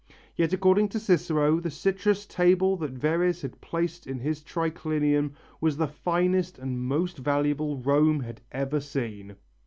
Yet according to Cicero, the citrus table that Verres had placed in his triclinium was the finest and most valuable Rome had ever seen.